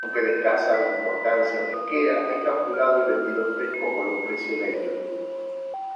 Aunque de escasa importancia pesquera es capturado y vendido fresco con un precio medio.